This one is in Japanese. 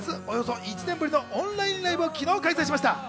およそ１年ぶりのオンラインライブを昨日開催しました。